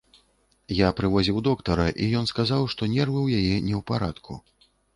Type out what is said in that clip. Я прывозіў доктара, і ён сказаў, што нервы яе не ў парадку.